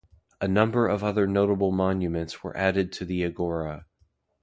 A number of other notable monuments were added to the agora.